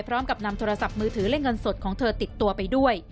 พร้อมกับนำโทรศัพท์มือถือและเงินสดของเธอติดตัวไปด้วย